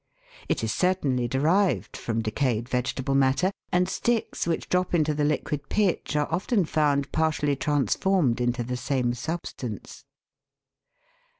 It is certainly derived from decayed vegetable matter, and sticks which drop into the liquid pitch are often found partially transformed into the same substance.